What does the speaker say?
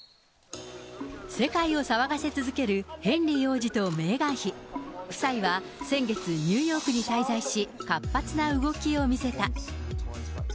世界を騒がせ続けるヘンリー王子とメーガン妃、夫妻は先月、ニューヨークに滞在し、活発な動きを見せた。